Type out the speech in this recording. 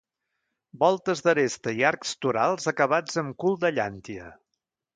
Voltes d'aresta i arcs torals acabats amb cul-de-llàntia.